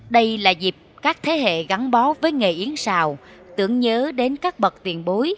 đây là dịp các thế hệ gắn bó với nghề yến xào tưởng nhớ đến các bậc tiền bối